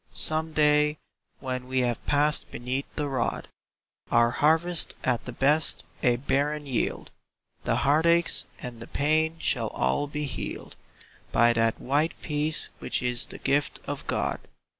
Some day, when we have passed beneath the rod. Our harvest at the best a barren yield, The heartaches and the pain shall all be healed By that white peace which is the gift of God.